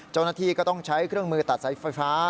เจ้าหน้าที่ก็ต้องใช้เครื่องมือตัดสายไฟฟ้า